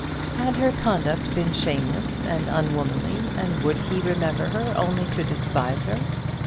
Had her conduct been shameless and unwomanly, and would he remember her only to despise her?